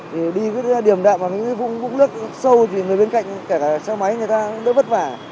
thì đi điểm đạm và những vùng vũ lức sâu thì người bên cạnh kể cả xe máy người ta cũng đỡ bất vả